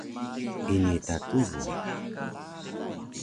ini ta tubu